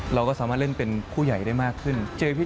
เราก็สามารถเล่นเป็นผู้ใหญ่ได้มากขึ้น